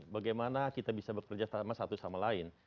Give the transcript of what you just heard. bagaimana kita bisa bekerja sama satu sama lain